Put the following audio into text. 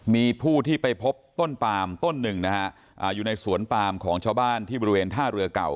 มีผู้ที่ไปพบต้นปามต้นหนึ่งนะฮะอยู่ในสวนปามของชาวบ้านที่บริเวณท่าเรือเก่า